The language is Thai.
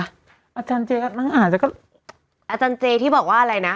อาจารย์เจ๊มันอ่านแล้วก็